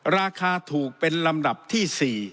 ราคาถูกเป็นลำดับที่๔